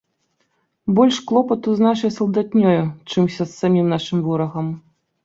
Больш клопату з нашай салдатнёю, чымся з самім нашым ворагам.